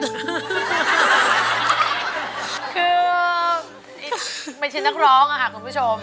คือไม่ใช่นักร้องค่ะคุณผู้ชม